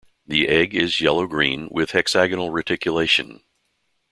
The egg is yellow-green, with hexagonal reticulation.